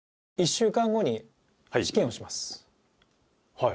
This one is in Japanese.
はい。